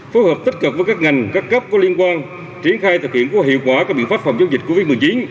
phối hợp tích cực với các ngành các cấp có liên quan triển khai thực hiện có hiệu quả các biện pháp phòng chống dịch covid một mươi chín